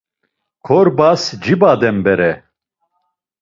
Korbas cibaden bere.